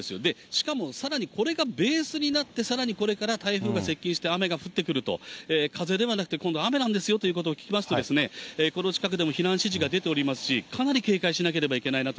しかもさらにこれがベースになって、さらにこれから台風が接近して雨が降ってくると、風ではなくて、今度、雨なんですよということを聞きますと、この近くでも避難指示が出ておりますし、かなり警戒しなければい